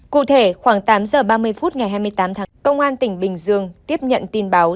cụ thể khoảng tám giờ ba mươi phút ngày hai mươi tám tháng công an tỉnh bình dương tiếp nhận tin báo